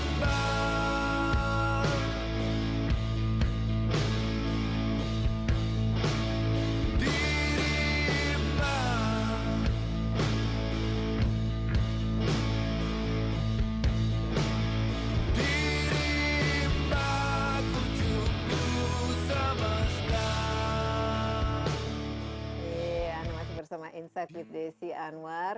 terima kasih bersama insakit desi anwar